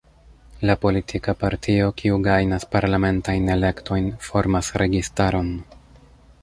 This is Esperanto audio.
La politika partio, kiu gajnas parlamentajn elektojn, formas registaron.